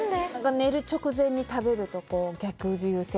寝る直前に食べるとこう逆流性